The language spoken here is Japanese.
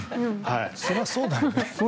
そりゃそうだよね。